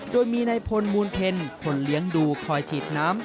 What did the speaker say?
โดยมีนายพลมูลเพลคนเลี้ยงดูคอยฉีดน้ำ